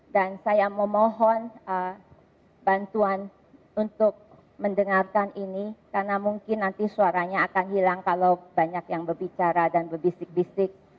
dan saya memohon bantuan untuk mendengarkan ini karena mungkin nanti suaranya akan hilang kalau banyak yang berbicara dan berbisik bisik